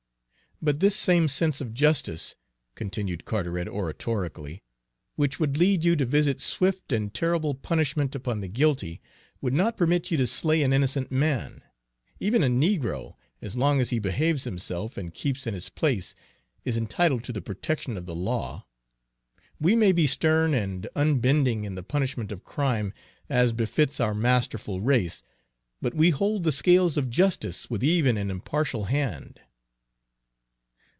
"But this same sense of justice," continued Carteret oratorically, "which would lead you to visit swift and terrible punishment upon the guilty, would not permit you to slay an innocent man. Even a negro, as long as he behaves himself and keeps in his place, is entitled to the protection of the law. We may be stern and unbending in the punishment of crime, as befits our masterful race, but we hold the scales of justice with even and impartial hand."